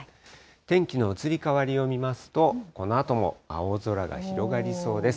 天気の移り変わりを見ますと、このあとも青空が広がりそうです。